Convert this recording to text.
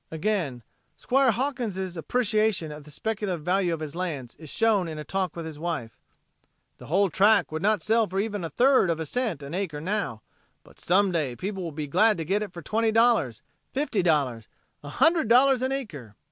Again "Squire Hawkins'" appreciation of the speculative value of his lands is shown in a talk with his wife: "The whole tract would not sell for even over a third of a cent an acre now, but some day people will be glad to get it for twenty dollars, fifty dollars, a hundred dollars an acre."